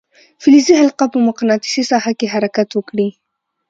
فلزي حلقه په مقناطیسي ساحه کې حرکت وکړي.